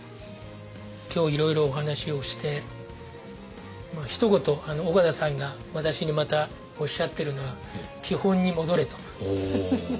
今日いろいろお話をしてひと言緒方さんが私にまたおっしゃってるのはおお。